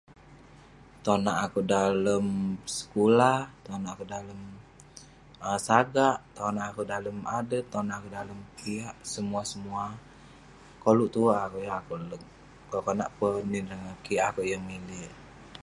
Tonak akouk dalem sekulah, tonak akouk dalem um sagak, tonak akouk dalem adet, tonak akouk dalem piak. semua semua, koluk tuwerk akouk, yeng akouk lerk. Konak konak peh nin ireh ngan kik, akouk yeng milik..